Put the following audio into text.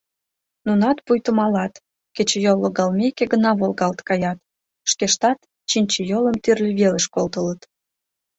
Нунат пуйто малат, кечыйол логалмеке гына волгалт каят, шкештат чинчыйолым тӱрлӧ велыш колтылыт.